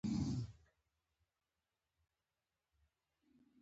لرګی د قلمتراش جوړولو لپاره هم کاریږي.